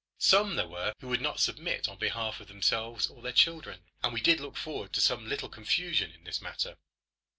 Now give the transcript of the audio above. Some there were who would not submit on behalf of themselves or their children; and we did look forward to some little confusion in this matter.